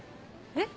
えっ？